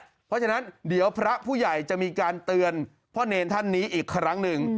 เพราะฉะนั้นเดี๋ยวพระผู้ใหญ่จะมีการเตือนพ่อเนรท่านนี้อีกครั้งหนึ่ง